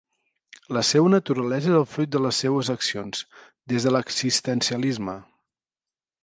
La seua naturalesa és el fruit de les seues accions, des de l'existencialisme.